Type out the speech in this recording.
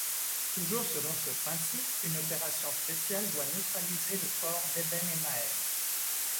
Toujours selon ce principe, une opération spéciale doit neutraliser le fort d'Ében-Émael.